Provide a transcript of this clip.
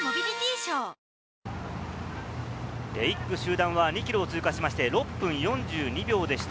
１区、集団は２ｋｍを通過しまして６分４２秒でした。